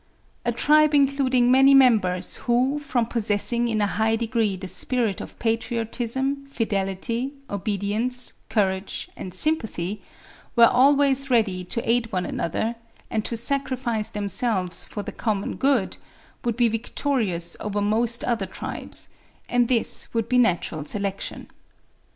A tribe including many members who, from possessing in a high degree the spirit of patriotism, fidelity, obedience, courage, and sympathy, were always ready to aid one another, and to sacrifice themselves for the common good, would be victorious over most other tribes; and this would be natural selection.